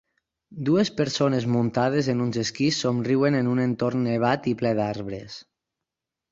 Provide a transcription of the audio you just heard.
Dues persones muntades en uns esquís somriuen en un entorn nevat i ple d'arbres.